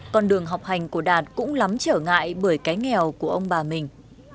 con đường học hành của đạt cũng lắm trở ngại bởi cái nghèo của ông bà mình